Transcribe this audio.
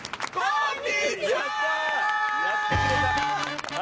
やってくれた。